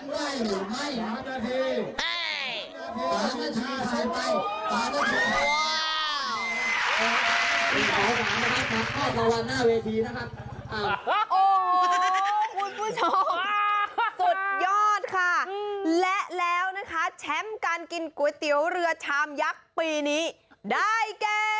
โอ้โหสุดยอดสุดยอดค่ะและแล้วนะคะแชมป์การกินก๋วยเตี๋ยวเรือชามยักษ์ปีนี้ได้แก่